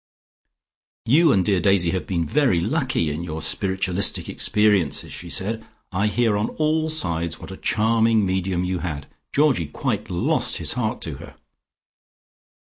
"You and dear Daisy have been very lucky in your spiritualistic experiences," she said. "I hear on all sides what a charming medium you had. Georgie quite lost his heart to her."